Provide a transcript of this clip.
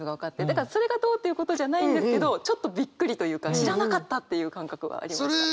だからそれがどうということじゃないんですけどちょっとびっくりというか知らなかったっていう感覚はありました。